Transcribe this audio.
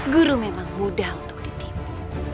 guru memang mudah untuk ditipu